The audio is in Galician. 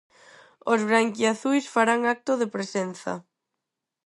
Os branquiazuis farán acto de presenza.